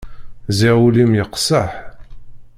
Ziɣ ul-im yeqseḥ.